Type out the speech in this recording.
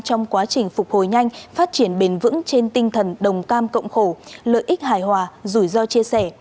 trong quá trình phục hồi nhanh phát triển bền vững trên tinh thần đồng cam cộng khổ lợi ích hài hòa rủi ro chia sẻ